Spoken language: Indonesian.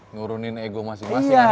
ngurunin ego masing masing akhirnya